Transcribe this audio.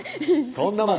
そんなもん